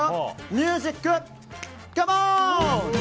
ミュージック、カモン！